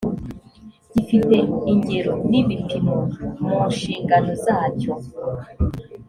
gifite ingero n ibipimo mu nshingano zacyo